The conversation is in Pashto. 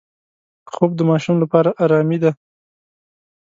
خوب د ماشوم لپاره آرامي ده